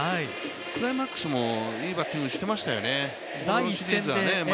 クライマックスもいいバッティングしてましたよね。